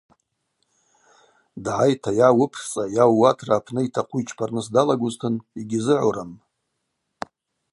Дгӏайта, йа уыпшцӏа, йа ууатра апны йтахъу йчпарныс далагузтын, йгьизыгӏурым.